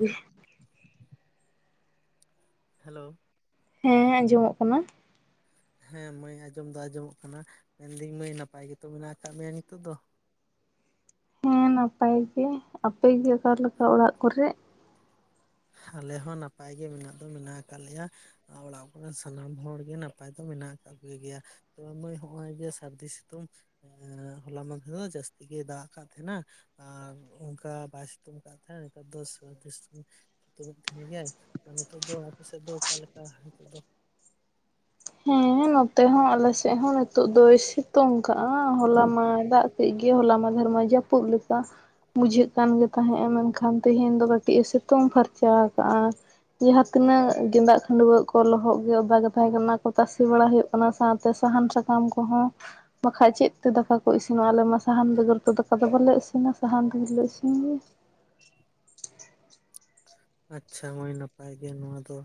ᱩᱸᱦᱽ [unintelligible] hello ᱦᱮᱸ ᱟᱸᱡᱚᱢᱚᱜ ᱠᱟᱱᱟ ᱦᱮᱸ ᱢᱟᱹᱭ ᱟᱸᱡᱚᱢ ᱫᱚ ᱟᱸᱡᱚᱢᱚᱜ ᱠᱟᱱᱟ ᱢᱮᱱᱫᱟᱹᱧ ᱢᱟᱹᱭ ᱱᱟᱯᱟᱭ ᱜᱮᱛᱚ ᱢᱮᱱᱟᱜ ᱟᱠᱟᱫ ᱢᱮᱭᱟ ᱱᱤᱛᱚᱜ ᱫᱚ ᱦᱮᱸ ᱱᱟᱯᱟᱭ ᱜᱮ ᱟᱯᱮ ᱜᱮ ᱚᱠᱟ ᱞᱮᱠᱟ ᱚᱲᱟᱜ ᱠᱚᱨᱮ ᱟᱞᱮ ᱦᱚᱸ ᱱᱟᱯᱟᱭ ᱜᱮ ᱢᱮᱱᱟᱜ ᱫᱚ ᱢᱮᱱᱟᱜ ᱟᱠᱟᱫ ᱞᱮᱭᱟ ᱚᱲᱟᱜ ᱠᱚᱨᱮ ᱥᱟᱱᱟᱢ ᱦᱚᱲᱜᱮ ᱱᱟᱯᱟᱭ ᱫᱚ ᱢᱮᱱᱟᱜ ᱟᱠᱟᱫ ᱠᱚ ᱜᱮᱭᱟ᱾ ᱛᱚ ᱢᱟᱹᱭ ᱱᱚᱜᱼᱚᱭ ᱡᱮ ᱥᱟᱹᱨᱫᱤ ᱥᱤᱛᱩᱝ ᱮᱸᱻ ᱦᱚᱞᱟ ᱢᱟᱦᱫᱷᱮ ᱨᱮ ᱫᱚ ᱡᱟᱹᱥᱛᱤ ᱜᱮᱭ ᱫᱟᱜ ᱠᱟᱫ ᱛᱟᱦᱮᱸᱱᱟ, ᱟᱨ ᱚᱱᱠᱟ ᱵᱟᱭ ᱥᱤᱛᱩᱝ ᱠᱫ ᱛᱟᱦᱮᱸ ᱱᱮᱛᱟᱨ ᱫᱚ ᱥᱟᱹᱨᱫᱤ [inaudible] ᱦᱩᱛᱩᱢ ᱢᱮᱫ ᱛᱟᱸᱦᱮ ᱜᱮᱭᱟᱭ ᱛᱚ ᱱᱤᱛᱚᱜ ᱫᱚ ᱟᱯᱮ ᱥᱮᱫ ᱫᱚ ᱚᱠᱟ ᱞᱮᱠᱟ ᱱᱤᱛᱚᱜ ᱫᱚ? ᱦᱮᱸ ᱱᱚᱛᱮ ᱦᱚᱸ ᱟᱞᱮᱥᱮᱫ ᱦᱚᱸ ᱱᱤᱛᱚᱜ ᱫᱚᱭ ᱥᱤᱛᱩᱝ ᱠᱟᱜᱼᱟ ᱦᱚᱞᱟ ᱢᱟᱟᱭ ᱫᱟᱜ ᱠᱮᱫᱡ ᱜᱮ ᱜᱮᱭᱟᱭ ᱦᱮᱸ ᱦᱚᱞᱟ ᱢᱟᱫᱚᱨᱢᱟ ᱡᱟᱹᱯᱩᱫ ᱞᱮᱠᱟ ᱵᱩᱡᱷᱟᱹᱜ ᱠᱟᱱ ᱜᱮ ᱛᱟᱦᱮᱸᱫᱼᱟ ᱢᱮᱱᱠᱷᱟᱱ ᱛᱮᱦᱤᱧ ᱫᱚ ᱠᱟᱹᱴᱤᱡ ᱮ ᱥᱤᱛᱩᱝ ᱯᱷᱟᱨᱪᱟ ᱟᱠᱟᱫᱼᱟ᱾ ᱡᱟᱦᱟᱸ ᱛᱤᱱᱟᱹᱜ ᱜᱮᱸᱫᱟᱜ ᱠᱷᱟᱸᱰᱣᱟᱹᱜ ᱠᱚ ᱞᱚᱦᱚᱫ ᱜᱮ ᱳᱫᱟ ᱜᱮ ᱛᱟᱦᱮᱸ ᱠᱟᱱᱟ ᱚᱱᱟ ᱛᱟᱥᱮ ᱵᱟᱲᱟ ᱦᱩᱭᱩᱜ ᱠᱟᱱᱟ ᱥᱟᱶᱛᱮ ᱥᱟᱦᱟᱱ ᱥᱟᱠᱟᱢ ᱠᱚᱦᱚᱸ ᱵᱟᱠᱷᱟᱡ ᱪᱮᱫ ᱛᱮ ᱫᱟᱠᱟ ᱠᱚ ᱤᱥᱤᱱ ᱟ ᱟᱞᱮ ᱢᱟ ᱥᱟᱦᱟᱱ ᱵᱮᱜᱚᱨ ᱫᱚ ᱫᱟᱠᱟ ᱫᱚ ᱵᱟᱞᱮ ᱤᱥᱤᱱᱟ ᱥᱟᱦᱟᱱ ᱛᱮᱜᱮᱞᱮ ᱤᱥᱤᱱ ᱜᱮᱭᱟ᱾ ᱟᱪᱪᱷᱟ ᱢᱟᱹᱭ ᱱᱟᱯᱟᱭ ᱜᱮ ᱱᱚᱣᱟ ᱫᱚ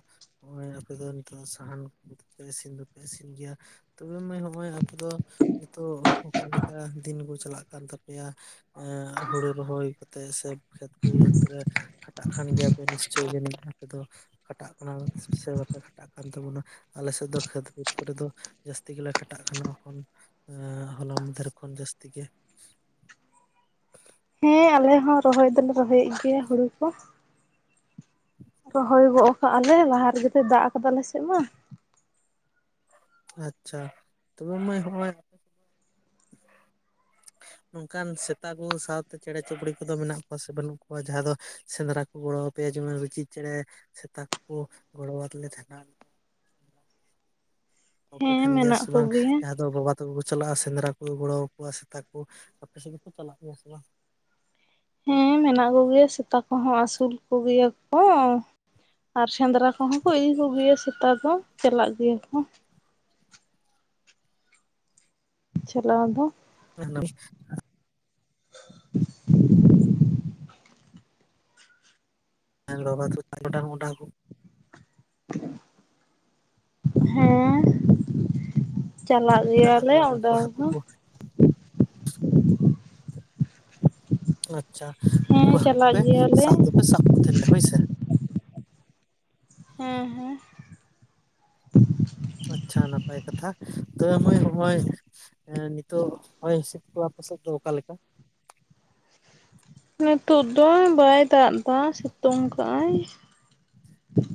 ᱱᱚᱜ-ᱚᱭ ᱟᱯᱮ ᱫᱚ ᱱᱤᱛᱚᱜ ᱥᱟᱦᱟᱱ ᱠᱚ ᱛᱮ ᱤᱥᱤᱱ ᱫᱚᱯᱮ ᱤᱥᱤᱱ ᱜᱮᱭᱟ ᱛᱚᱵᱮ ᱢᱟ ᱦᱚᱸᱜᱼᱚᱭ ᱟᱯᱮ ᱫᱚ ᱱᱤᱛᱚᱜ ᱚᱠᱟᱮᱠᱟ ᱫᱤᱱ ᱠᱚ ᱪᱟᱞᱟᱜ ᱠᱟᱱ ᱛᱟᱯᱮᱭᱟ? ᱮ ᱦᱩᱲᱳ ᱨᱚᱦᱚᱭ ᱠᱟᱛᱮᱜ ᱥᱮ ᱠᱷᱮᱛ ᱤᱭᱟᱹ ᱠᱟᱛᱮ ᱨᱮ ᱠᱷᱟᱴᱟᱜ ᱠᱟᱱ ᱜᱮᱭᱟ ᱯᱮ ᱱᱤᱥᱪᱳᱭ ᱜᱮ ᱟᱯᱮ ᱫᱚ ᱠᱷᱟᱴᱟᱜ ᱠᱟᱱᱟ ᱥᱮ ᱵᱟᱯᱮ ᱠᱷᱟᱴᱟᱜ ᱠᱟᱱ ᱛᱟᱵᱚᱱᱟ ᱟᱞᱮ ᱥᱮᱫ ᱫᱚ ᱠᱷᱮᱛ ᱠᱷᱮᱛ ᱠᱚᱨᱮ ᱫᱚ ᱡᱟᱹᱥᱛᱤ ᱜᱮᱞᱮ ᱠᱷᱟᱴᱟᱜ ᱠᱟᱱᱟ᱾ ᱮᱠᱷᱚᱱ ᱮᱸ ᱦᱚᱞᱟ ᱢᱟᱦᱫᱷᱮᱨ ᱠᱷᱚᱱ ᱡᱟᱹᱥᱛᱤ ᱜᱮ ᱦᱮᱸ ᱟᱞᱮ ᱦᱚᱸ ᱨᱚᱦᱚᱭ ᱫᱚᱞᱮ ᱨᱚᱦᱚᱭᱮᱫ ᱜᱮᱭᱟ ᱦᱩᱲᱩ ᱠᱚ᱾ [unintelligible] ᱨᱚᱦᱚᱭ ᱜᱚᱜ ᱠᱟᱜᱞᱮ ᱞᱟᱦᱟ ᱨᱮᱜᱮ ᱛᱚ ᱫᱟᱜ ᱠᱟᱫᱟ ᱟᱞᱮ ᱥᱮᱫ ᱢᱟ᱾ ᱟᱪᱪᱷᱟ ᱛᱚᱵᱮ ᱢᱟᱹᱭ ᱚᱸᱚᱭ [unintelligible] ᱱᱚᱝᱠᱟᱱ ᱥᱮᱛᱟ ᱠᱚ ᱥᱟᱸᱶ ᱛᱮ ᱪᱮᱲᱮ ᱪᱟᱯᱨᱩᱜ ᱠᱚ ᱫᱚ ᱢᱮᱱᱟᱜ ᱠᱚᱣᱟ ᱥᱮ ᱵᱟᱹᱱᱩᱜ ᱠᱚᱣᱟ? ᱡᱟᱦᱟᱸ ᱫᱚ ᱥᱮᱸᱫᱽᱨᱟ ᱠᱚ ᱜᱚᱲᱚ ᱟᱯᱮᱭᱟ ᱡᱮᱢᱚᱱ ᱨᱤᱧᱪᱤ ᱪᱮᱬᱮ ᱥᱮᱛᱟ ᱠᱚ ᱜᱚᱲᱚᱣᱟᱫ ᱞᱮ ᱛᱟᱦᱮ ᱱᱟ᱾ ᱠᱚ ᱦᱮᱸ ᱛᱟᱯᱮ ᱢᱮᱱᱟᱜ ᱥᱮ ᱵᱟᱝ ᱠᱚᱜᱮᱭᱟ ᱡᱟᱦᱟᱸ ᱫᱚ ᱵᱟᱵᱟ ᱛᱚ ᱪᱟᱞᱟᱜᱼᱟ ᱥᱮᱸᱫᱽᱨᱟ ᱠᱚ ᱜᱚᱲᱚ ᱟᱠᱚᱣᱟ ᱥᱮᱛᱟ ᱠᱚ, ᱟᱯᱮ ᱥᱮᱫ ᱜᱮᱠᱚ ᱪᱟᱞᱟᱜ ᱜᱮᱭᱟ ᱠᱚ ᱥᱮ ᱵᱟᱝ? ᱦᱮᱸ ᱢᱮᱱᱟᱜ ᱠᱚᱜᱮᱭᱟ ᱥᱮᱛᱟ ᱠᱚᱦᱚᱸ ᱟᱹᱥᱩᱞ ᱠᱚᱜᱮᱭᱟ ᱠᱚᱸ, ᱟᱨ ᱥᱮᱸᱫᱽᱨᱟ ᱠᱚᱦᱚᱸ ᱠᱚ ᱤᱫᱤ ᱠᱚᱜᱮᱭᱟ ᱥᱮᱛᱟ ᱫᱚ ᱪᱟᱞᱟᱜ ᱜᱮᱭᱟ ᱠᱚ᱾ ᱪᱟᱞᱟᱣ ᱫᱚ [inaudible] [unintelligible] [inaudible] ᱦᱮᱸᱻ ᱪᱟᱞᱟᱜ ᱜᱟᱰᱟ ᱜᱮᱭᱟᱞᱮ ᱠᱚᱨᱮᱱ ᱚᱸᱰᱮ ᱩᱱᱠᱩ ᱦᱟᱹᱠᱩ ᱦᱚᱸ ᱠᱚ ᱚ ᱟᱪᱪᱷᱟ ᱦᱮᱸ ᱩᱱᱠᱩ ᱦᱟᱹᱠᱩ ᱪᱟᱞᱟᱜ ᱯᱮ ᱜᱮᱭᱟᱞᱮ ᱥᱟᱵ ᱫᱚᱯᱮ ᱥᱟᱵ ᱠᱚ ᱛᱟᱦᱮᱱ ᱜᱮᱭᱟ ᱦᱳᱭᱥᱮ? ᱦᱮᱸ ᱦᱮᱸ ᱟᱪᱷᱟ ᱱᱟᱯᱟᱭ ᱠᱟᱛᱷᱟ ᱛᱚᱵᱮ ᱢᱟᱹᱭ ᱱᱚᱜᱚᱭᱻ ᱱᱤᱛᱚᱜ ᱱᱚᱜᱼᱚᱭ ᱦᱚᱭ ᱦᱤᱥᱤᱜ ᱥᱤᱛᱩᱝ ᱫᱚ ᱚᱠᱟᱞ ᱞᱮᱠᱟᱻ? ᱱᱤᱛᱳᱜ ᱫᱚ ᱵᱟᱭ ᱫᱟᱜ ᱮᱫᱟ ᱥᱤᱛᱩᱝ ᱠᱟᱜᱟᱭ᱾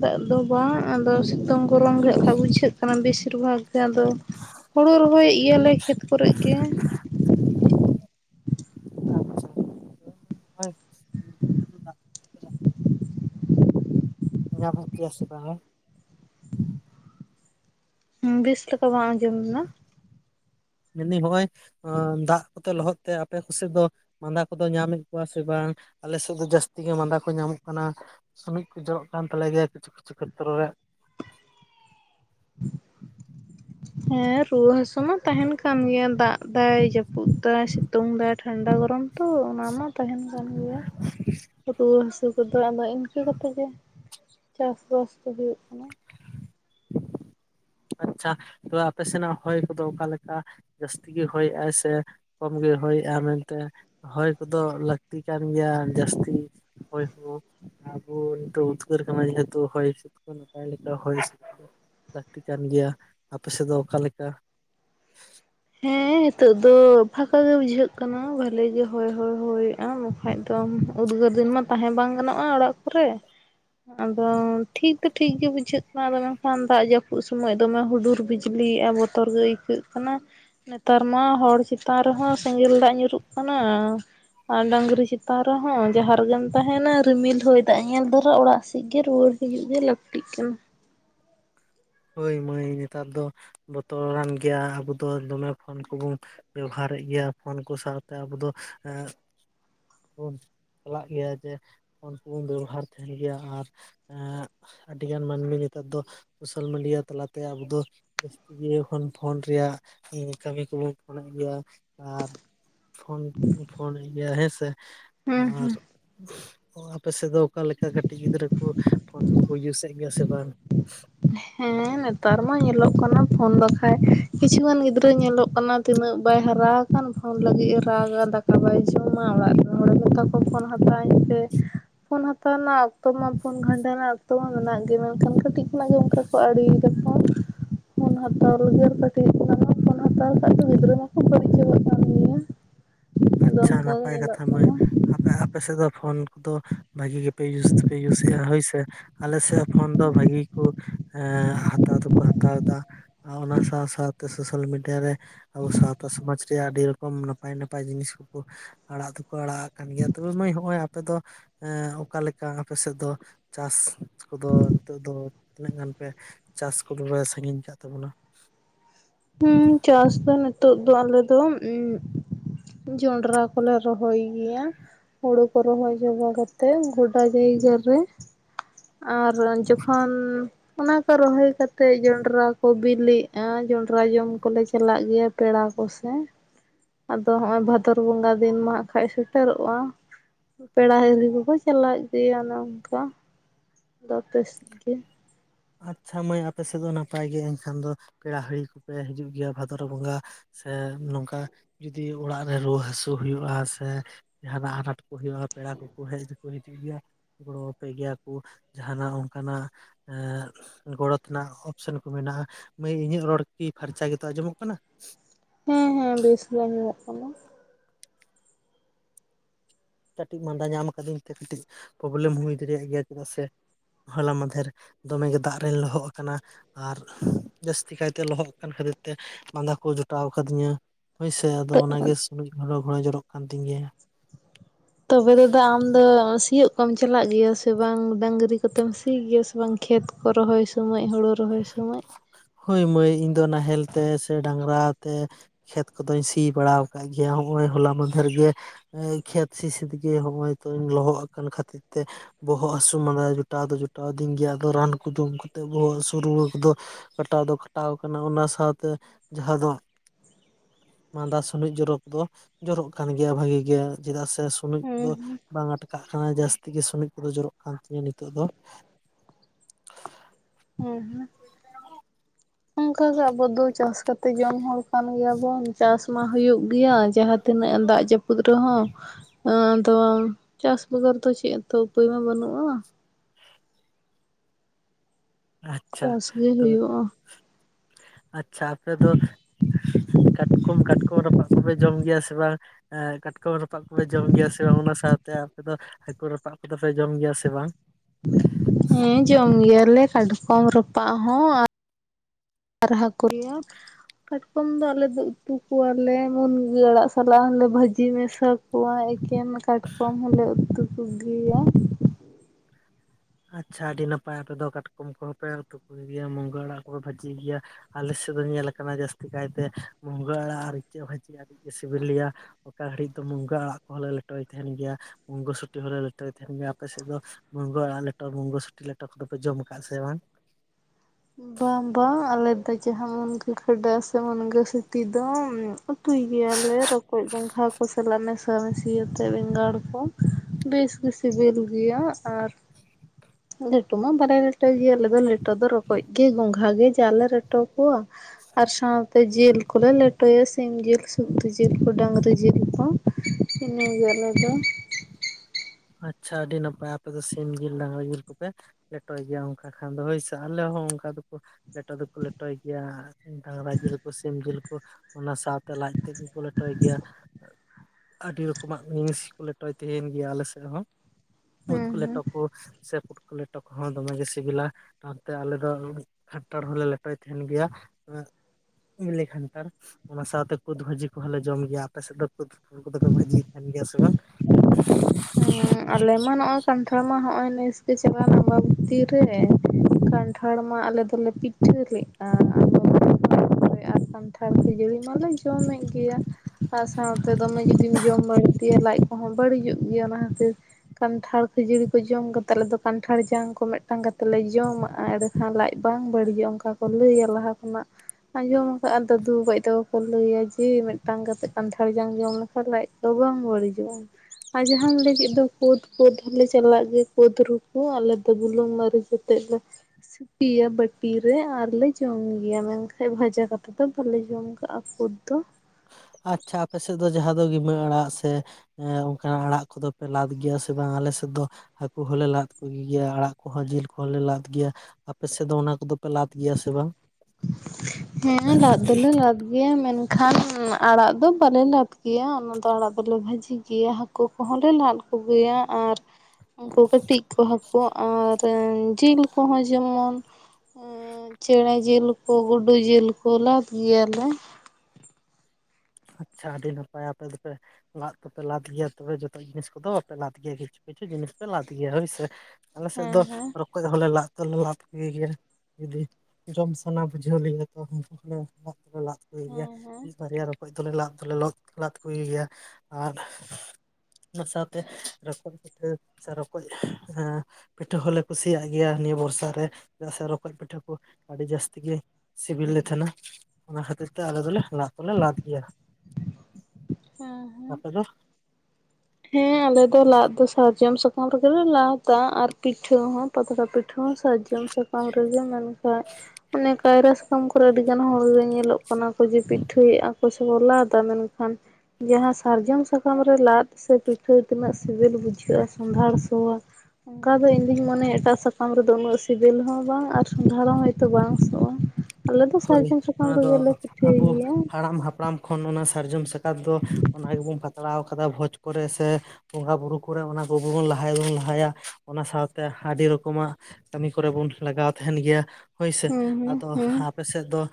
ᱫᱟᱜ ᱫᱚ ᱵᱟᱝ ᱟᱫᱚ ᱥᱤᱛᱩᱝ ᱜᱚᱨᱚᱢ ᱜᱮ ᱠᱷᱟᱱ ᱵᱩᱡᱷᱟᱹᱜ ᱠᱟᱱᱟ ᱵᱮᱥᱤᱨ ᱵᱷᱟᱜᱽ ᱜᱮ ᱟᱫᱚ ᱦᱳᱲᱩ ᱨᱚᱦᱚᱭᱮᱫ ᱜᱮᱭᱟᱞᱮ ᱠᱷᱮᱛ ᱠᱚᱨᱮ ᱜᱮ ᱟᱪᱪᱷᱟ [inaudible] ᱫᱚ ᱫᱟᱜ ᱧᱟᱢ ᱮᱫ ᱯᱮᱭᱟ ᱥᱮ ᱵᱟᱝ ᱦᱸ ᱵᱤᱥ ᱜᱮᱛᱚ ᱵᱟᱝ ᱟᱸᱡᱚᱢ ᱞᱮᱱᱟ᱾ ᱢᱮᱱᱫᱟᱹᱧ ᱱᱚᱜᱚᱭ ᱫᱟᱜ ᱠᱚᱛᱮ ᱞᱚᱦᱚᱫ ᱛᱮ ᱟᱯᱮ ᱠᱩᱥᱮᱫ ᱫᱚ ᱢᱟᱸᱫᱟ ᱠᱚᱫᱚ ᱧᱟᱢᱮᱫ ᱠᱚᱣᱟ ᱥᱮ ᱵᱟᱝ ᱟᱞᱮ ᱥᱮᱫ ᱫᱚ ᱡᱟᱹᱥᱛᱤ ᱜᱮ ᱢᱟᱸᱫᱟ ᱠᱚ ᱧᱟᱢᱚᱜ ᱠᱟᱱᱟ᱾ ᱥᱩᱚᱢᱤᱡ ᱠᱚ ᱡᱚᱜ ᱠᱟᱱ ᱛᱟᱞᱮ ᱜᱮᱭᱟ ᱠᱤᱪᱷᱩ ᱠᱤᱪᱷᱩ ᱠᱷᱮᱛᱨᱮ ᱨᱮ᱾ [unintelligible] ᱦᱮᱸ ᱨᱩᱣᱟᱹ ᱦᱟᱹᱥᱩ ᱢᱟ ᱛᱟᱦᱮᱱ ᱠᱟᱱ ᱜᱮᱭᱟ ᱫᱟᱜ ᱫᱟᱭ ᱡᱟᱹᱯᱩᱜ ᱫᱟᱭ ᱾ ᱥᱤᱛᱩᱝ ᱫᱟᱭ ᱴᱷᱟᱱᱰᱟ ᱜᱚᱨᱚᱢ ᱛᱚ ᱚᱱᱟ ᱢᱟ ᱛᱟᱦᱮᱱ ᱠᱟᱱ ᱜᱮᱭᱟ, ᱨᱩᱣᱟᱹ ᱦᱟᱹᱥᱩ ᱛᱷᱚᱲᱟ ᱢᱟ ᱤᱱᱠᱟᱹ ᱠᱟᱛᱮᱜ ᱜᱮ ᱪᱟᱥᱵᱟᱥ ᱫᱚ ᱦᱩᱭᱩᱜ ᱠᱟᱱᱟ᱾ ᱟᱪᱪᱷᱟ ᱛᱚ ᱟᱯᱮ ᱥᱮᱱᱟᱜ ᱦᱚᱭ ᱠᱚᱫᱚ ᱚᱠᱟᱞᱮᱠᱟ? ᱡᱟᱹᱥᱛᱤ ᱜᱮ ᱦᱚᱭᱼᱟᱭ ᱥᱮ ᱠᱚᱢ ᱜᱮ ᱦᱚᱭᱮᱜᱼᱟ ᱢᱮᱱᱛᱮ᱾ ᱦᱚᱭ ᱠᱚᱫᱚ ᱞᱟᱹᱠᱛᱤ ᱠᱟᱱ ᱜᱮᱭᱟ, ᱡᱟᱹᱥᱛᱤ ᱦᱚᱭ ᱦᱚᱸ᱾ ᱟᱵᱚ ᱱᱤᱛᱚᱜ ᱩᱫᱽᱜᱟᱹᱨ ᱠᱟᱱᱟ, ᱡᱮᱦᱮᱛᱩ ᱦᱚᱭ ᱦᱤᱸᱥᱤᱫ ᱠᱚ ᱱᱟᱯᱟᱭ ᱞᱮᱠᱟ ᱦᱚᱭ ᱦᱤᱥᱤᱫ ᱞᱟᱹᱠᱛᱤ ᱠᱟᱱ ᱜᱮᱭᱟ ᱟᱯᱮ ᱥᱮᱫ ᱫᱚ ᱚᱠᱟᱮ ᱞᱮᱠᱟ? ᱦᱮᱸᱻ ᱱᱤᱛᱚᱜ ᱫᱚ ᱯᱷᱟᱠᱟ ᱜᱮ ᱵᱩᱡᱷᱟᱹᱜ ᱠᱟᱱᱟ, ᱵᱷᱟᱞᱮ ᱜᱮ ᱦᱚᱭ ᱦᱚᱭ ᱦᱚᱭᱮᱜᱼᱟ, ᱢᱮᱸᱠᱷᱟᱡ ᱫᱚᱢ ᱩᱫᱽᱜᱟᱹᱨ ᱫᱤᱱ ᱢᱟ ᱛᱟᱦᱮᱸ ᱵᱟᱝ ᱜᱟᱱᱚᱜᱼᱟ ᱚᱲᱟᱜ ᱠᱚᱨᱮ, ᱟᱫᱚ ᱴᱷᱤᱠ ᱛᱚ ᱴᱷᱤᱠ ᱜᱮ ᱵᱩᱡᱷᱟᱹᱜ ᱠᱟᱱᱟ ᱟᱫᱚ ᱢᱮᱱᱠᱷᱟᱱ ᱫᱟᱜ ᱡᱟᱹᱯᱩᱫ ᱥᱚᱢᱚᱭ ᱫᱚ ᱢᱮ ᱦᱩᱰᱩᱨ ᱵᱤᱡᱽᱞᱤ ᱭᱮᱜᱼᱟ ᱵᱚᱛᱚᱨ ᱜᱮ ᱟᱹᱭᱠᱟᱹᱜ ᱠᱟᱱᱟ᱾ ᱱᱮᱛᱟᱨ ᱢᱟ ᱦᱚᱲ ᱪᱮᱛᱟᱱ ᱨᱮᱦᱚᱸ ᱥᱮᱸᱜᱮᱞ ᱫᱟᱜ ᱧᱩᱨᱩᱜ ᱠᱟᱱᱟ, ᱟᱨ ᱰᱟᱺᱜᱽᱨᱤ ᱪᱮᱛᱟᱱ ᱨᱮᱦᱚᱸ ᱡᱟᱦᱟᱸ ᱨᱮᱜᱮᱢ ᱛᱟᱦᱮᱸᱱᱟ ᱨᱤᱢᱤᱞ ᱦᱚᱭ ᱫᱟᱜ ᱧᱮᱞ ᱫᱚᱨᱟ ᱚᱲᱟᱜ ᱥᱮᱡ ᱜᱮ ᱨᱩᱣᱟᱹᱲ ᱦᱤᱡᱩᱜ ᱜᱮ ᱞᱟᱹᱠᱛᱤᱜ ᱠᱟᱱᱟ᱾ ᱦᱳᱭ ᱢᱟᱹᱭ ᱱᱮᱛᱟᱨ ᱫᱚ ᱵᱚᱛᱚᱨᱟᱱ ᱜᱮᱭᱟ, ᱟᱵᱚ ᱫᱚ ᱫᱚᱢᱮ ᱯᱷᱳᱱ ᱠᱚᱵᱩᱱ ᱵᱮᱣᱦᱟᱨ ᱮᱫ ᱜᱮᱭᱟ ᱯᱷᱳᱱ ᱠᱚ ᱥᱟᱶᱛᱮ ᱟᱵᱚ ᱫᱚ ᱦᱮᱸ [unintelligible] ᱵᱚᱱ ᱪᱟᱞᱟᱜ ᱜᱮᱭᱟ ᱡᱮ ᱯᱷᱳᱱ ᱛᱮᱵᱚᱱ ᱵᱮᱵᱚᱦᱟᱨ ᱛᱟᱦᱮᱱ ᱜᱮᱭᱟ ᱟᱨ ᱮ ᱟᱹᱰᱤ ᱜᱟᱱ ᱢᱟᱹᱱᱢᱤ ᱱᱮᱛᱟᱨ ᱫᱚ ᱥᱳᱥᱟᱞ ᱢᱤᱰᱤᱭᱟ ᱛᱟᱞᱟ ᱛᱮ ᱟᱵᱚ ᱫᱚ᱾ ᱡᱟᱹᱥᱛᱤ ᱜᱮ ᱮᱠᱷᱚᱱ ᱯᱷᱳᱱ ᱨᱮᱭᱟᱜ ᱠᱟᱹᱢᱤ ᱠᱚᱵᱚᱱ ᱯᱷᱳᱱ ᱜᱮᱭᱟ ᱟᱨ ᱯᱷᱳᱱ, ᱯᱷᱳᱱ ᱜᱮᱭᱟ ᱦᱮᱸ ᱥᱮ ᱦᱩᱸ ᱦᱩᱸ ᱟᱨ ᱚ ᱟᱯᱮ ᱥᱮᱫ ᱫᱚ ᱚᱠᱟᱞᱮᱠᱟ ᱠᱟᱹᱴᱤᱡ ᱜᱤᱫᱽᱨᱟᱹ ᱠᱚ ᱯᱷᱳᱱ ᱠᱚ ᱠᱚ ᱤᱭᱩᱥᱮᱫ ᱜᱮᱭᱟ ᱥᱮ ᱵᱟᱝ? ᱦᱮᱸ ᱱᱮᱛᱟᱨ ᱢᱟ ᱧᱮᱞᱚᱜ ᱠᱟᱱᱟ ᱯᱷᱳᱱ ᱵᱟᱠᱷᱟᱡ ᱠᱤᱪᱷᱩᱜᱟᱱ ᱜᱤᱫᱽᱨᱟᱹ ᱧᱮᱞᱚᱜ ᱠᱟᱱᱟ, ᱛᱤᱱᱟᱹᱜ ᱵᱟᱭ ᱦᱟᱨᱟ ᱟᱠᱟᱱ ᱯᱷᱳᱱ ᱞᱟᱹᱜᱤᱫ ᱮ ᱨᱟᱜᱟ, ᱫᱟᱠᱟ ᱵᱟᱭ [unintelligible] ᱚᱲᱟᱜ ᱨᱮᱱ ᱦᱚᱲ ᱠᱚ ᱢᱮᱛᱟ ᱠᱚ ᱯᱷᱳᱱ ᱦᱟᱛᱟᱣᱟᱹᱧ ᱯᱮ᱾ ᱯᱷᱳᱱ ᱦᱟᱛᱟᱣ ᱚᱠᱛᱚ ᱢᱟ ᱯᱷᱳᱱ ᱜᱟᱱᱴᱟ ᱨᱮᱱᱟᱜ ᱚᱠᱛᱚ ᱢᱟ ᱢᱮᱱᱟᱜ ᱜᱮ ᱢᱮᱱᱠᱷᱟᱱ ᱠᱟᱹᱴᱤᱡ ᱠᱷᱚᱱᱟᱜ ᱜᱮ ᱚᱱᱠᱟ᱾ ᱠᱚ ᱟᱲᱤ ᱮᱫᱟ᱾ ᱯᱷᱳᱱ ᱦᱟᱛᱟᱣ ᱞᱟᱹᱜᱤᱫ ᱠᱟᱹᱴᱤᱡ ᱠᱟᱱᱟ ᱯᱷᱳᱱ ᱦᱟᱛᱟᱣ ᱠᱷᱟᱡ ᱫᱚ ᱜᱤᱫᱽᱨᱟᱹ ᱢᱟ᱾ ᱵᱟᱠᱚ ᱯᱚᱨᱤᱪᱚᱭᱚᱜ ᱠᱟᱱ ᱜᱮᱭᱟ ᱟᱫᱚ ᱟᱪᱪᱷᱟ ᱚᱱᱠᱟᱜ ᱜᱮ ᱱᱟᱯᱟᱭ ᱧᱮᱞᱚᱜ ᱠᱟᱛᱷᱟ ᱢᱟᱹᱭ ᱠᱟᱱᱟ᱾ ᱟᱯᱮ ᱟᱯᱮ ᱥᱮᱫ ᱫᱚ ᱯᱷᱳᱱ ᱠᱚᱫᱚ ᱵᱷᱟᱜᱤ ᱜᱮᱯᱮ ᱤᱭᱩᱥ ᱫᱚᱯᱮ ᱤᱭᱩᱥ ᱮᱜᱼᱟ ᱦᱳᱭ ᱥᱮ ᱟᱞᱮ ᱥᱮᱭᱟᱜ ᱯᱷᱳᱱ ᱫᱚ ᱵᱷᱟᱹᱜᱤ ᱠᱚ ᱦᱮᱸ ᱦᱟᱛᱟᱣ ᱫᱚᱠᱚ ᱦᱟᱛᱟᱣ ᱮᱫᱟ᱾ ᱟᱨ ᱚᱱᱟ ᱥᱟᱶ ᱥᱟᱶᱛᱮ ᱥᱳᱥᱟᱞ ᱢᱤᱰᱤᱭᱟ ᱨᱮ ᱟᱵᱚ ᱥᱟᱶᱛᱟ ᱥᱚᱢᱟᱡᱽ ᱨᱮᱭᱟᱜ ᱟᱹᱰᱤ ᱨᱚᱠᱚᱢ ᱱᱟᱯᱟᱭ ᱱᱟᱯ ᱱᱟᱯᱟᱭ ᱡᱤᱱᱤᱥ ᱠᱚᱠᱚ ᱟᱲᱟᱜ ᱫᱚᱠᱚ ᱟᱲᱟᱜ ᱟᱜ ᱠᱟᱱ ᱜᱮᱭᱟ ᱛᱚᱵᱮ ᱢᱟᱸᱭ ᱱᱚᱜᱼᱚᱭ ᱟᱯᱮ ᱫᱚ? ᱮᱸ ᱚᱠᱟ ᱞᱮᱠᱟ ᱟᱯᱮ ᱥᱮᱫ ᱫᱚ ᱪᱟᱥ ᱠᱚᱫᱚ ᱱᱤᱛᱚᱜ ᱫᱚ ᱛᱤᱱᱟᱹᱜ ᱜᱟᱱ ᱯᱮ ᱪᱟᱥ ᱠᱚᱫᱚ [unintelligible] ᱥᱟᱺᱜᱤᱧ ᱟᱠᱟᱫ ᱛᱟᱵᱚᱱᱟ᱾ ᱦᱩᱸ ᱪᱟᱥ ᱫᱚ ᱱᱤᱛᱳ ᱫᱚ ᱟᱞᱮ ᱫᱚ ᱡᱚᱱᱰᱨᱟ ᱠᱚᱞᱮ ᱨᱚᱦᱚᱭ ᱜᱮᱭᱟ, ᱦᱩᱲᱩ ᱠᱚ ᱨᱚᱦᱚᱭ ᱪᱟᱵᱟ ᱠᱟᱛᱮᱫ᱾ ᱜᱚᱰᱟ ᱡᱟᱭᱜᱟ ᱨᱮ᱾ ᱟᱨ ᱡᱚᱠᱷᱚᱱ ᱚᱱᱟ ᱠᱚ ᱨᱚᱦᱚᱭ ᱠᱟᱛᱮ ᱡᱚᱱᱰᱨᱟ ᱠᱚ ᱵᱤᱞᱤᱜᱼᱟ ᱡᱚᱱᱰ ᱡᱚᱸᱰᱨᱟ ᱡᱚᱢ ᱠᱚᱞᱮ ᱪᱟᱞᱟᱜ ᱜᱮᱭᱟ᱾ ᱯᱮᱲᱟ ᱠᱚᱥᱮ ᱟᱫᱚ ᱦᱚᱜᱼᱚᱭ ᱵᱷᱟᱫᱚᱨ ᱵᱚᱸᱜᱟ ᱫᱤᱱ ᱢᱟ ᱦᱟᱜ ᱠᱷᱟᱸᱡ ᱥᱮᱴᱮᱨᱚᱜᱼᱟ ᱯᱮᱲᱟ ᱦᱤᱨᱤ ᱠᱚᱠᱚ ᱪᱟᱞᱟᱣ ᱤᱫᱭᱟ ᱚᱱᱮ ᱚᱝᱠᱟ ᱟᱫᱚ ᱟᱯᱮᱥᱮᱫ ᱜᱮ ᱟᱪᱪᱷᱟ ᱢᱟᱹᱭ ᱟᱯᱮ ᱥᱮᱫ ᱫᱚ ᱱᱟᱯᱟᱭ ᱜᱮ ᱮᱱᱠᱷᱟᱱ ᱫᱚ ᱯᱮᱲᱟ ᱦᱤᱨᱤ ᱠᱚᱯᱮ ᱦᱤᱡᱩᱜ ᱜᱮᱭᱟ ᱵᱷᱟᱫᱚᱨ ᱵᱚᱸᱜᱟ ᱥᱮ ᱱᱚᱝᱠᱟ ᱡᱩᱫᱤ ᱚᱲᱟᱜ ᱨᱮ ᱨᱩᱣᱟᱹ ᱦᱟᱹᱥᱩ ᱦᱩᱭᱩᱜᱼᱟ, ᱥᱮ ᱡᱟᱦᱟᱱᱟᱜ ᱟᱱᱟᱴ [unintelligible] ᱯᱮᱲᱟ ᱠᱚᱠᱚ ᱦᱮᱡ ᱦᱤᱡᱩᱜ ᱜᱮᱭᱟ, ᱜᱚᱲᱚ ᱟᱯᱮ ᱜᱮᱭᱟ ᱠᱚ ᱡᱟᱦᱟᱱᱟᱜ ᱚᱱᱠᱟᱱᱟᱜ ᱮ ᱜᱚᱲᱚ ᱨᱮᱱᱟᱜ ᱚᱯᱥᱮᱱ ᱠᱚ ᱢᱮᱱᱟᱜᱼᱟ, ᱢᱟᱹᱭ ᱤᱧᱟᱹᱜ ᱨᱚᱲ ᱠᱤ ᱯᱷᱟᱨᱪᱟ ᱜᱮᱛᱚ ᱟᱸᱡᱚᱢᱚᱜ ᱠᱟᱱᱟ᱾ ᱦᱮᱸ ᱦᱮᱸ ᱵᱮᱥ ᱜᱮ ᱟᱸᱡᱚᱢᱚᱜ ᱠᱟᱱᱟ᱾ ᱠᱟᱹᱴᱤᱡ ᱢᱟᱸᱫᱟ ᱧᱟᱢ ᱠᱟᱹᱫᱤᱧ ᱛᱮ ᱠᱟᱹᱴᱤᱡ ᱯᱨᱚᱵᱞᱮᱢ ᱦᱩᱭ ᱫᱟᱲᱮᱭᱟᱜ ᱜᱮᱭᱟ ᱪᱮᱫᱟᱜ ᱥᱮ ᱦᱚᱞᱟ ᱢᱟᱫᱷᱮᱨ ᱫᱚᱢᱮᱜᱮ ᱫᱟᱜ ᱨᱮ ᱞᱚᱦᱚᱫ ᱠᱟᱱᱟ᱾ ᱟᱨ ᱡᱟᱹᱥᱛᱤ ᱠᱟᱭᱛᱮ ᱞᱚᱦᱚᱫ ᱠᱟᱱ ᱠᱷᱟᱹᱛᱤᱨ ᱛᱮ ᱢᱟᱸᱫᱟ ᱠᱚ ᱡᱚᱴᱟᱣ ᱠᱟᱹᱫᱤᱧᱟᱹ ᱦᱳᱭᱥᱮ ᱟᱫᱚ ᱚᱱᱟᱜᱮ ᱥᱩᱱᱩᱡ ᱜᱚᱲᱚ ᱜᱷᱚᱲᱚ ᱡᱚᱨᱚᱜ ᱠᱟᱱ ᱛᱤᱧ ᱜᱮᱭᱟ ᱛᱚᱵᱮ ᱛᱮᱫᱚ ᱟᱢ ᱫᱚ ᱥᱤᱭᱚᱜ ᱠᱚᱢ ᱪᱟᱞᱟᱜ ᱜᱮᱭᱟ ᱥᱮ ᱵᱟᱝ ᱰᱟᱹᱝᱨᱤ ᱠᱚᱛᱮᱢ ᱥ ᱜᱮᱭᱟ ᱥᱮ ᱵᱟᱝ ᱠᱷᱮᱛ ᱠᱚ ᱨᱚᱦᱚᱭ ᱥᱳᱚᱢᱚᱭ ᱦᱳᱲᱳ ᱨᱚᱦᱚᱭ ᱥᱚᱢᱚᱭ ᱦᱳᱭ ᱢᱟᱹᱭ ᱤᱧ ᱫᱚ ᱱᱟᱦᱮᱞ ᱛᱮ ᱥᱮ ᱰᱟᱝᱨᱟ ᱛᱮ ᱠᱷᱮᱛ ᱠᱚᱫᱚᱧ ᱥᱤ ᱵᱟᱲᱟᱣ ᱟᱠᱟᱫ ᱜᱮᱭᱟ ᱱᱚᱜᱼᱚᱭ ᱦᱚᱞᱟ ᱢᱚᱫᱽᱫᱷᱮᱨ ᱜᱮ ᱠᱷᱮᱛ ᱦᱥᱤᱫ ᱜᱮ ᱦᱚᱜᱼᱚᱭ ᱛᱚᱧ ᱞᱚᱦᱚᱫ ᱟᱠᱟᱱ ᱠᱷᱟᱹᱛᱤᱨ ᱛᱮ ᱵᱚᱦᱚᱜ ᱦᱟᱹᱟᱥᱩ ᱢᱟᱞᱫᱟ ᱡᱚᱴᱟᱣ ᱫᱚ ᱡᱚᱴᱟᱣ ᱟᱹᱫᱤᱧ ᱜᱮᱭᱟ ᱟᱫᱚ ᱨᱟᱱ ᱠᱚ ᱡᱚᱢᱛᱮᱫ ᱵᱚᱦᱚᱜ ᱦᱥᱩᱟᱹ ᱫᱚ ᱠᱟᱴᱟᱣ ᱫᱚ ᱠᱷᱴᱟᱣ ᱠᱟᱱᱟ ᱚᱱᱟ ᱥᱟᱶᱛᱮ ᱡᱟᱦᱟᱸ ᱫᱚ ᱢᱟᱫᱟ ᱥᱩᱱᱩᱡ ᱡᱚᱨᱚᱜ ᱫᱚ ᱡᱚᱨᱚᱜ ᱠᱟᱱ ᱜᱮᱭᱟ ᱵᱷᱟᱜᱤ ᱜᱮᱭᱟ ᱪᱮᱫᱟᱜ ᱥᱮ ᱥᱩᱱᱡ ᱦᱩᱸ ᱫᱚ ᱦᱩᱸ ᱵᱟᱝ ᱟᱴᱠᱟᱜ ᱠᱟᱱᱟ ᱡᱟᱹᱥᱛᱤ ᱜᱮ ᱥᱚᱢ ᱠᱚᱫᱚ ᱡᱚᱨᱚᱜ ᱠᱟᱱ ᱛᱤᱧᱟᱹ ᱱᱤᱛᱚᱜ ᱫᱚ ᱦᱩᱸ [unintelligible] ᱚᱱᱠᱮ ᱟᱵᱚ ᱫᱚ ᱪᱟᱥ ᱠᱟᱛᱮ ᱡᱚᱢ ᱦᱚᱲ ᱠᱟᱱ ᱜᱮᱭᱟᱵᱚᱱ ᱪᱟᱥ ᱢᱟ ᱦᱩᱭᱩᱜ ᱜᱮᱭᱟ ᱡᱟᱦᱟᱸ ᱛᱱᱟᱹᱜ ᱫᱟᱜ ᱡᱟᱯᱩᱫ [unintelligible] ᱨᱮᱦᱚᱸ ᱟᱫᱚ ᱪᱟᱥ ᱵᱮᱜᱚᱨ ᱫᱚ ᱪᱮᱫ ᱛᱚ ᱩᱯᱟᱹᱭ ᱢᱟ ᱵᱟᱹᱱᱩᱜᱼᱟ ᱟᱪᱷᱟ ᱪᱟᱥ ᱜᱮ ᱛ ᱦᱩᱭᱩᱜᱼᱟ ᱟᱪᱷᱟ ᱟᱯᱮ ᱫᱚ ᱠᱟᱴᱠᱚᱢ ᱠᱟᱴᱠᱚᱢ ᱨᱟᱯᱟᱜ ᱠᱚᱯᱮ ᱡᱚᱢ ᱜᱮᱭᱟ ᱥᱮ ᱵᱟᱝ ᱠᱟᱴᱠᱚᱢ ᱨᱟᱯᱟᱜ ᱠᱚᱯᱮ ᱡᱚᱢ ᱜᱮᱭᱟ ᱥᱮ ᱵᱟᱝ ᱚᱱᱟ ᱥᱟᱶᱛᱮ ᱟᱯᱮ ᱫᱚ ᱦᱟᱹᱠᱩ ᱨᱟᱯᱟᱜ ᱠᱚᱫᱚ ᱯᱮ ᱡᱚᱢ ᱜᱮᱭᱟ ᱥᱮ ᱵᱟᱝ ᱦᱮᱸ ᱡᱚᱢ ᱜᱮᱭᱟᱞᱮ ᱠᱟᱴᱠᱚᱢ ᱨᱟᱯᱟᱜ ᱦᱚᱸ ᱟᱨ ᱟᱨ ᱦᱟᱠᱚ ᱤᱭᱟ. ᱠᱟᱴᱠᱚᱢ ᱫᱚ ᱟᱞᱮ ᱫᱚ ᱩᱛᱩ ᱠᱚᱣᱟᱞᱮ ᱢᱩᱱᱜᱟᱹ ᱟᱲᱟᱜ ᱥᱟᱞᱟᱜᱞᱮ ᱵᱷᱟᱹᱡᱤ ᱡᱤ ᱢᱮᱥᱟ ᱠᱚᱣᱟ ᱮᱠᱮᱱ ᱠᱟᱴᱠᱚᱢ ᱦᱚᱸᱞᱮ ᱩᱛᱩ ᱠᱚ ᱜᱮᱭᱟ ᱟᱪᱷᱟ ᱟᱹᱰᱤ ᱱᱟᱯᱟᱭ ᱟᱯᱮ ᱫᱚ ᱠᱟᱴᱠᱚᱢ ᱠᱚᱦᱚᱸ ᱯᱮ ᱩᱛᱩ ᱠᱚ ᱜᱮᱭᱟ ᱢᱩᱱᱜᱟᱹ ᱟᱲᱟᱜ ᱠᱚᱯᱮ ᱵᱷᱟᱹᱡᱤ ᱜᱮᱭᱟ ᱟᱞᱮ ᱥᱮᱫ ᱫᱚ ᱧᱮᱞᱞᱟ ᱠᱟᱱᱟ ᱡᱟᱹᱥᱛᱤ ᱠᱟᱭᱛᱮ ᱢᱩᱱᱜᱟᱹ ᱟᱲᱟᱜ ᱟᱨ ᱤᱪᱟᱹᱜ ᱵᱷᱟᱹᱡᱤ ᱟᱹᱰᱤᱜᱮ ᱥᱤᱵᱤᱞ ᱞᱮᱭᱟ ᱚᱠᱟ ᱜᱷᱟᱹᱲᱤᱡ ᱫᱚ ᱢᱩᱱᱜᱟᱹ ᱟᱲᱟᱜ ᱠᱚᱦᱚᱸᱮ ᱞᱮᱴᱚᱭ ᱛᱟᱦᱮᱱ ᱜᱮᱭᱟ ᱢᱩᱱᱜᱟᱹᱥᱩᱴᱤ ᱦᱚᱸᱞᱮ ᱞᱮᱴᱚᱭ ᱛᱟᱦᱮᱱ ᱜᱮᱭᱟ ᱟᱯᱮ ᱥᱮᱫ ᱫᱚ ᱢᱩᱱᱜᱟ. ᱟᱲᱟᱜ ᱞᱮᱴᱚ ᱢᱩᱱᱜᱟ. ᱥᱩᱴᱤ ᱞᱮᱴᱚ ᱠᱚᱫᱚᱯᱮ ᱡᱚᱢ ᱟᱠᱟᱟᱜ ᱥᱮ ᱵᱟᱝ? ᱵᱟᱝ ᱵᱟᱝ ᱟᱞᱮ ᱫᱚ ᱡᱟᱦᱟᱸ ᱢᱩᱱᱜᱟᱹ ᱠᱷᱰᱟ ᱥᱮ ᱢᱩᱱᱜᱟᱹ ᱥᱛᱤ ᱫᱚ ᱩᱛᱩᱭ ᱜᱮᱭᱟᱞᱮ ᱨᱚᱠᱚᱡ ᱜᱚᱸᱜᱷᱟ ᱠᱚ ᱥᱟᱞᱟᱜ ᱢᱮᱥᱟ ᱢᱮᱥᱤᱭᱟᱛᱮ ᱵᱮᱸᱜᱟᱲ ᱠᱚ ᱵᱮᱥᱜᱮ ᱥᱤᱵᱤᱞ ᱜᱮᱭᱟ ᱟᱨ ᱞᱮᱴᱚ ᱢᱟ ᱵᱟᱞᱮ ᱞᱮᱴᱚ ᱜᱤᱭᱟ. ᱟᱞᱮ ᱫᱚ ᱞᱮᱴᱚ ᱫᱚ ᱨᱚᱠ ᱠᱚᱡ ᱜᱮ ᱜᱚᱝᱜᱷᱟ ᱜᱮ ᱡᱟᱞᱮ ᱞᱮᱴᱚ ᱠᱚᱣᱟ ᱟᱨ ᱥᱟᱶᱛᱮ ᱡᱤᱞ ᱠᱚᱞᱮ ᱞᱮᱴᱚᱭᱟ ᱥᱤᱢ ᱡᱤᱞ ᱥᱩᱠᱨᱤ ᱡᱤᱞ ᱠᱚ ᱰᱟᱝᱨᱤ ᱡᱤᱞ ᱠᱚ ᱤᱱᱟ. ᱜᱮ ᱟᱞᱮ ᱫᱚ ᱟᱪᱷᱟ ᱟᱹᱰᱤ ᱱᱟᱯᱟᱭ ᱟᱯᱮ ᱫᱚ ᱥᱮᱢ ᱡᱤᱞ ᱰᱟᱸᱝᱨᱤ ᱡᱤᱞ ᱠᱚᱯᱮ ᱞᱮᱴᱚᱭ ᱜᱮᱭᱟ ᱚᱱᱠᱟ ᱠᱷᱟᱱ ᱫᱚ ᱦᱳᱭᱥ ᱟᱞᱮ ᱦᱚᱸ ᱚᱱᱠᱟ ᱫᱚᱠᱚ ᱞᱮᱴᱚ ᱫᱚᱠᱚ ᱞᱮᱴᱚᱭ ᱜᱮᱭᱟ ᱰᱟᱝᱨᱟ ᱡᱤᱞ ᱠᱚ ᱥᱤᱢ ᱡᱤᱞ ᱠᱚ ᱚᱱᱟ ᱥᱟᱶᱛᱮ ᱞᱟᱡ ᱛᱮᱫ ᱜᱮᱠᱚ ᱞᱮᱴᱚᱭ ᱜᱮᱭᱟ, ᱟᱹᱰᱤ ᱨᱚᱠᱚᱢᱟᱜ ᱡᱤᱱᱤᱥ ᱠᱚ ᱞᱮᱴᱚᱭ ᱛᱟᱦᱮᱱ ᱜᱮᱭᱟ ᱟᱞᱮᱥ ᱥᱮᱫ ᱛᱮᱦᱚᱸ ᱩᱫᱽ ᱦᱮᱸ ᱠᱚ ᱦᱮᱸ ᱞᱮᱴᱚ ᱠᱚ ᱥᱮ ᱯᱩᱴ ᱞᱮᱴᱚ ᱠᱚᱦᱚᱸ ᱫᱚᱢᱮᱜᱮ ᱥᱤᱵᱤᱞᱟ ᱚᱱᱟᱛᱮ ᱟᱞᱮ ᱫᱚ ᱠᱷᱟᱱᱴᱟᱲ ᱦᱚᱸᱞᱮ ᱞᱮᱴᱚᱭ ᱛᱟᱦᱮᱱ ᱜᱮᱭᱟ ᱚᱸᱜ ᱵᱤᱞᱤ ᱠᱷᱟᱱᱴᱟᱲ ᱚᱱᱟ ᱥᱟᱶᱛᱮ ᱠᱩᱫ ᱵᱷᱟᱹᱡᱤ ᱠᱚᱦᱚᱸᱞᱮ ᱡᱚᱢ ᱜᱮᱭᱟ ᱟᱯᱮ ᱥᱮᱫ ᱫᱚ [inaudible] ᱠᱚᱫᱚ ᱠᱚ ᱵᱷᱟᱹᱡᱤ ᱠᱟᱱ ᱜᱮᱭᱟ ᱥᱮ ᱵᱟᱝ? ᱟᱞᱮ ᱢᱟ ᱱᱚᱜᱚᱭ ᱠᱟᱱᱴᱷᱟᱲ ᱢᱟ ᱱᱚᱜ ᱚᱚᱭ ᱱᱤ ᱪᱟᱜ ᱵᱟᱝ ᱢᱟᱵᱟᱵᱚᱛᱤᱨ ᱨᱮ ᱠᱟᱱᱴᱷᱟᱲ ᱢᱟ ᱟᱞᱮ ᱫᱚᱞᱮ ᱯᱤᱴᱷᱟᱹ ᱞᱮᱫ [unintelligible] ᱠᱟᱱᱴᱷᱟᱲ ᱠᱷ ᱡᱟᱹᱲᱤ ᱢᱟᱞᱮ ᱡᱚᱢᱮᱫ ᱜᱮᱭᱟ ᱟᱨ ᱥᱟᱶᱛᱮ ᱫᱚᱢᱮ ᱡᱩᱫᱤᱢ ᱡᱚᱢ ᱵ ᱟᱲᱮᱫᱮᱭᱟ ᱞᱟᱡ ᱠᱚ ᱦᱚᱸ ᱵᱟᱹᱲᱤᱡᱚᱜ ᱜᱮᱭᱟ ᱚᱱᱟ ᱡᱟᱦᱟᱸᱛᱤᱥ ᱠᱟᱱᱴᱷᱟᱲ ᱠᱷᱟᱹᱡᱲᱤ ᱠᱚ ᱡᱚᱢ ᱠᱟᱛᱮ ᱟᱞᱮ ᱫᱚ ᱠᱟᱱᱴᱷᱟᱲ ᱡᱟᱝ ᱠᱚ ᱢᱤᱫ ᱴᱟᱝ ᱠᱟᱛᱮ ᱞᱮ ᱡᱚᱢᱟ ᱟᱨ ᱞᱟᱡ ᱵᱟᱝ ᱵᱟᱹᱲᱤᱡᱚᱜ ᱚᱱᱠᱟ ᱠᱚ ᱞᱟᱹᱭᱟ ᱞᱟᱦᱟ ᱠᱷᱚᱱᱟᱜ ᱟᱸᱡᱚᱢ ᱟᱠᱟᱫᱼᱟ ᱫᱟᱫᱩ ᱜᱚᱡ ᱫᱚ ᱠᱚ ᱞᱟᱹᱭᱟ ᱡᱮ ᱢᱤᱫᱴᱟᱝ ᱠᱟᱛᱮᱫ ᱠᱟᱱᱛᱷᱟᱲ ᱡᱟᱝ ᱡᱚᱢ ᱞᱮᱠᱷᱟᱱ ᱞᱟᱡ ᱫᱚ ᱵᱟᱝ ᱵᱟᱹᱲᱤᱡᱚᱜᱼᱟ᱾ ᱟᱨ ᱡᱟᱦᱟᱸᱢ ᱞᱟᱹᱭ ᱪᱮᱫ ᱫᱚ ᱠᱩᱫᱽ ᱠᱩᱫᱽ ᱦᱚᱸᱞᱮ ᱪᱟᱞᱟᱜ ᱜᱮ ᱠᱩᱫᱽ ᱨᱩᱠᱩ ᱟᱞᱮ ᱫᱚ ᱵᱩᱞᱩᱝ ᱢᱟᱹᱨᱤ ᱟᱛᱮᱫ ᱫᱚ ᱥᱤᱯᱤᱭᱟ ᱵᱟᱹᱴᱤᱨᱮ ᱟᱨᱞᱮ ᱡᱚᱢ ᱜᱮᱭᱟ ᱢᱮᱱᱠᱷᱟᱱ ᱵᱷᱟᱡᱟ ᱠᱟᱛᱮᱫ ᱫᱚ ᱵᱟᱞᱮ ᱡᱚᱢ ᱠᱟᱜᱼᱟ ᱩᱫᱽᱫᱚ ᱟᱪᱪᱷᱟ ᱟᱯᱮᱥᱮᱫ ᱫᱚ ᱡᱟᱦᱟᱸ ᱫᱚ ᱜᱤᱢᱟᱹ ᱟᱲᱟᱜ ᱥᱮ ᱦᱮᱸ ᱚᱱᱠᱟᱱᱟᱜ ᱟᱲᱟᱜ ᱠᱚᱫᱚ ᱯᱮ ᱞᱟᱫ ᱜᱮᱭᱟ ᱥᱮ ᱵᱟᱝ ᱟᱞᱮ ᱥᱮᱫ ᱫᱚ? ᱦᱟᱹᱠᱩ ᱦᱚᱞᱮ ᱞᱟᱫ ᱠᱚᱜᱮᱭᱟ ᱟᱲᱟᱜ ᱠᱚᱦᱚᱸ ᱡᱤᱞ ᱠᱚᱦᱚᱸ ᱞᱮ ᱞᱟᱫ ᱜᱮᱭᱟ ᱟᱯᱮ ᱥᱮᱫ ᱫᱚ ᱚᱱᱟ ᱠᱚᱫᱚᱯᱮ ᱞᱟᱫ ᱜᱮᱭᱟ ᱥᱮ ᱵᱟᱝ ᱦᱮᱸ ᱞᱟᱫ ᱫᱚᱞᱮ ᱞᱟᱫ ᱜᱮᱭᱟ ᱢᱮᱱ ᱠᱷᱟᱱ ᱟᱲᱟᱜ ᱫᱚ ᱵᱟᱞᱮ ᱞᱟᱫ ᱜᱮᱭᱟ ᱚᱱᱟ ᱫᱚ ᱟᱲᱟᱜ ᱫᱚᱞᱮ ᱵᱷᱟᱹᱡᱤ ᱜᱮᱭᱟ ᱾ᱦᱟ ᱦᱟᱹᱠᱩ ᱠᱚᱦᱚᱸ ᱞᱮ ᱞᱟᱫ ᱠᱚᱜᱩᱭᱟ ᱟᱨ ᱩᱱᱠᱩ ᱠᱟᱹᱴᱤᱡ ᱠᱚ ᱦᱟᱹᱠᱩ ᱟᱨ ᱡᱤᱞ ᱠᱚᱦᱚᱸ ᱡᱮᱢᱚᱱ ᱪᱮᱬᱮ ᱡᱤᱞ ᱠᱚ ᱜᱩᱰᱩ ᱡᱤᱞ ᱠᱚ ᱞᱟᱫ ᱜᱮᱭᱟᱞᱮ ᱟᱪᱪᱷᱟ ᱟᱹᱰᱤ ᱱᱟᱯᱟᱭ ᱟᱯᱮ ᱫᱚᱯᱮ, ᱞᱟᱫ ᱫᱚᱯᱮ ᱞᱟᱫ ᱜᱮᱭᱟ ᱛᱚᱵᱮ ᱞᱟᱫ ᱫᱚᱯᱮ ᱡᱚᱛᱚ ᱡᱤᱱᱤᱥ ᱠᱚᱫᱚ ᱵᱟᱯᱮ ᱞᱟᱫ ᱜᱮᱭᱟ ᱠᱤᱪᱷᱩ ᱠᱤᱪᱷᱩ ᱡᱤᱱᱤᱥ ᱯᱮ ᱞᱟᱫ ᱜᱮᱭᱟ ᱦᱳᱭᱥᱮ ᱟᱞᱮ ᱥᱮᱫ ᱦᱮᱸ ᱫᱚ ᱦᱮᱸ ᱨᱚᱠᱚᱡ ᱦᱚᱸᱞᱮ ᱞᱟᱫ ᱫᱚ ᱞᱟᱫ ᱠᱚᱜ ᱜᱮᱭᱟ᱾ ᱡᱩᱫᱤ ᱡᱚᱢ ᱥᱟᱱᱟ ᱵᱩᱡᱷᱟᱹᱣ ᱞᱮᱭᱟ ᱛᱚ ᱩᱱᱠᱩ ᱦᱚᱸᱞᱮ ᱞᱟᱫ ᱠᱚᱜ ᱜᱮᱭᱟ ᱦᱮᱸ ᱦᱮᱸ ᱢᱤᱫ ᱵᱟᱨᱭᱟ ᱨᱚ ᱦᱤᱛ ᱛᱚᱞᱮ ᱞᱟᱫ ᱫᱚᱞᱮ ᱞᱟᱫ ᱠᱚ ᱜᱮᱭᱟ ᱟᱨ ᱚᱱᱟ ᱥᱟᱶᱛᱮ ᱨᱚᱠᱚᱡ ᱯᱤᱴᱷᱟᱹ ᱥᱮ ᱨᱚᱠᱚᱡ ᱯᱤᱴᱷᱟᱹ ᱦᱚᱞᱮ ᱠᱩᱥᱤᱭᱟᱜ ᱜᱮᱭᱟ ᱯᱤᱴᱷᱟᱹ ᱦᱚᱞᱮ ᱠᱩᱥᱤᱭᱟ ᱜᱮᱟ ᱱᱤᱭᱟᱹ ᱵᱚᱨᱥᱟ ᱨᱮ, ᱪᱮᱫᱟᱜ ᱥᱮ ᱨᱚᱠᱚᱡ ᱯᱤᱴᱷᱟᱹ ᱠᱚ ᱟᱹᱰᱤ ᱡᱟᱹᱥᱛᱤ ᱜᱮ ᱥᱤᱵᱤᱞ ᱞᱮ ᱛᱟᱦᱮᱸᱱᱟ ᱚᱱᱟ ᱠᱷᱟᱹᱛᱤᱨ ᱛᱮ ᱟᱞᱮ ᱫᱚᱞᱮ ᱞᱟᱫ ᱫᱚᱞᱮ ᱞᱟᱫ ᱜᱮᱭᱟ ᱚ ᱟᱯᱮ ᱫᱚ ᱦᱮᱸ ᱟᱞᱮ ᱫᱚ ᱞᱟᱫ ᱫᱚ ᱥᱟᱨᱡᱚᱢ ᱥᱟᱠᱟᱢ ᱨᱮᱜᱮᱞᱮ ᱞᱟᱫᱟ ᱟᱨ ᱯᱤᱴᱷᱟᱹ ᱦᱚᱸ ᱯᱟᱛᱲᱟ ᱯᱤᱴᱷᱟᱹ ᱥᱟᱨᱡᱚᱢ ᱥᱟᱠᱟᱢ ᱨᱮᱜᱮ, ᱢᱮᱱᱠᱷᱟᱱ ᱚᱱᱮ ᱠᱟᱭ ᱥᱟᱠᱚᱢ ᱠᱚᱨᱮ ᱟᱹᱰᱤᱜᱟᱱ ᱦᱚᱲ ᱧᱮᱞᱚᱜᱼᱟ ᱚᱱᱟ ᱠᱚ ᱡᱮ ᱯᱤᱴᱷᱟᱹᱭᱮᱫᱼᱟ ᱠᱚ ᱥᱮᱵᱚ ᱞᱟᱫᱟ ᱢᱮᱱᱠᱷᱟᱱ ᱡᱟᱦᱟᱸ ᱥᱟᱨᱡᱚᱢ ᱥᱟᱠᱟᱢ ᱨᱮ ᱞᱟᱫ ᱥᱮ ᱯᱤᱴᱷᱟᱹ ᱛᱤᱱᱟᱹᱜ ᱥᱤᱵᱤᱞ ᱵᱩᱡᱷᱟᱹᱜᱼᱟ ᱥᱚᱸᱫᱷᱟᱲ ᱥᱚᱣᱟ᱾ ᱚᱱᱠᱟ ᱫᱚ ᱤᱧ ᱫᱩᱧ ᱢᱚᱱᱮ ᱭᱟ ᱮᱴᱟᱜ ᱥᱟᱠᱟᱢ ᱨᱮᱫᱚ ᱩᱱᱟᱹᱜ ᱥᱤᱵᱤᱞ ᱦᱚᱸ ᱵᱟᱝ ᱟᱨ ᱥᱚᱸᱫᱷᱟᱬ ᱦᱚᱸ ᱦᱚᱭᱛᱳ ᱵᱟᱝ ᱥᱚᱜᱼᱟ ᱟᱞᱮ ᱫᱚ ᱦᱳᱭ ᱥᱟᱨᱡᱚᱢ ᱥᱟᱠᱟᱢ ᱚᱱᱟ ᱨᱮᱜᱮ ᱫᱚ ᱞᱮ ᱯᱤᱴᱷᱟᱹᱭ ᱟᱵᱚ ᱜᱮᱭᱟ ᱦᱟᱲᱟᱢ ᱦᱟᱯᱲᱟᱢ ᱠᱷᱚᱱ ᱚᱱᱟ ᱥᱟᱨᱡᱚᱢ ᱥᱟᱠᱟᱢ ᱫᱚ ᱚᱱᱟ ᱜᱮᱵᱚᱱ ᱯᱟᱛᱲᱟᱣ ᱟᱠᱟᱫᱟ ᱵᱷᱚᱡᱽ ᱠᱚᱨᱮ ᱥᱮ ᱵᱚᱸᱜᱟ ᱵᱩᱨᱩ ᱠᱚᱨᱮ ᱚᱱᱟ ᱠᱚᱵᱚᱱ ᱞᱟᱦᱟᱭᱵᱚᱱ ᱞᱟᱦᱟᱭᱟ ᱚᱱᱟ ᱥᱟᱶᱛᱮ ᱟᱹᱰᱤ ᱨᱚᱠᱚᱢᱟᱜ ᱠᱟᱹᱢᱤ ᱠᱚᱨᱮ ᱵᱚᱱ ᱞᱟᱜᱟᱣ ᱛᱟᱦᱮᱱ ᱜᱮᱭᱟ ᱦᱳᱭᱥᱮ ᱦᱮᱸ ᱦᱮᱸ ᱟᱫᱚ ᱦᱮᱸ ᱟᱯᱮ ᱥᱮᱫ ᱫᱚ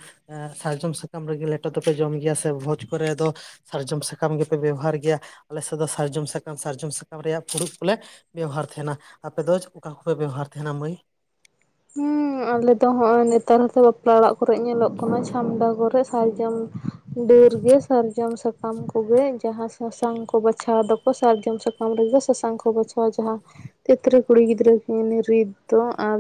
ᱥᱟᱨᱡᱚᱢ ᱥᱟᱠᱟᱢ ᱨᱮᱜᱮ ᱞᱮᱴᱚ ᱫᱚᱯᱮ ᱡᱚᱢ ᱜᱮᱭᱟ ᱥᱮ ᱵᱷᱚᱡᱽ ᱠᱚᱨᱮ ᱫᱚ ᱥᱟᱨᱡᱚᱢ ᱥᱟᱠᱟᱢ ᱜᱮᱯᱮ ᱵᱮᱵᱚᱦᱟᱨ ᱜᱮᱭᱟ, ᱟᱞᱮ ᱥᱮᱫ ᱫᱚ ᱥᱟᱨᱡᱚᱢ ᱥᱟᱠᱟᱢ ᱥᱟᱨᱡᱚᱢ ᱥᱟᱠᱟᱢ ᱨᱮᱭᱟᱜ ᱯᱷᱩᱲᱩᱜ ᱠᱚᱞᱮ ᱵᱮᱣᱦᱟᱨ ᱛᱟᱦᱮᱱᱟ ᱟᱯᱮ ᱫᱚ ᱚᱠᱟ ᱠᱚᱯᱮ ᱵᱮᱣᱚᱦᱟᱨ ᱛᱟᱦᱮᱱᱟ ᱢᱟᱹᱭ ᱦᱮᱸ ᱟᱞᱮ ᱫᱚ ᱱᱚᱜᱼᱚᱭ ᱱᱮᱛᱟᱨ ᱦᱚᱛᱚ ᱵᱟᱯᱞᱟ ᱚᱲᱟᱜ ᱠᱚᱨᱮᱜ ᱧᱮᱞᱚᱜ ᱠᱟᱱᱟ ᱪᱷᱟᱢᱰᱟ ᱠᱚᱨᱮ ᱥᱟᱨᱡᱚᱢ ᱰᱟᱹᱨ ᱜᱮ ᱥᱟᱨᱡᱚᱢ ᱥᱟᱠ ᱥᱟᱠᱟᱢ ᱠᱚᱜᱮ ᱡᱟᱦᱟᱸ ᱥᱟᱥᱟᱝ ᱠᱚ ᱵᱟᱪᱷᱟᱣ ᱫᱚᱠᱚ ᱥᱟᱨᱡᱚᱢ ᱥᱟᱠᱟᱢ ᱨᱮᱜᱮ ᱥᱟᱥᱟᱝ ᱠᱚ ᱵᱟᱪᱷᱟᱣᱟ ᱡᱟᱦᱟᱸ ᱛᱤᱛᱨᱤ ᱠᱩᱲᱤ ᱜᱤᱫᱽᱨᱟᱹ ᱦᱤᱱ ᱨᱤᱛ ᱫᱚ, ᱟᱣ